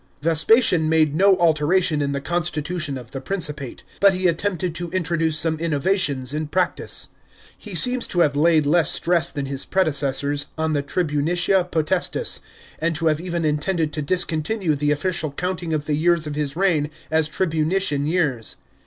Vespasian made no alteration in the constitution of the Princi pate; but he attempted to introduce some innovations in practice. He seems to have laid less stress than his predecessors on the tribunicia potestas, and to have even intended to discontinue the official counting of the years of his reign as tribunician years.